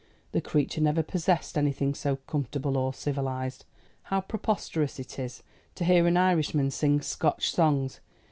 "The creature never possessed anything so comfortable or civilised. How preposterous it is to hear an Irishman sing Scotch songs.